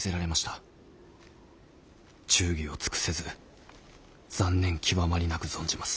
忠義を尽くせず残念極まりなく存じます。